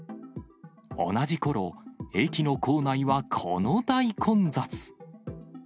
同じころ、駅の構内はこの大混雑。